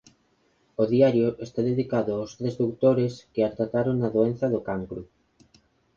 O "Diario" está dedicado aos tres doutores que a trataron na doenza do cancro.